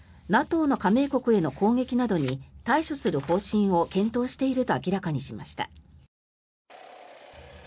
ＮＡＴＯの加盟国への攻撃などに対処する方針を検討していると明らかにしました。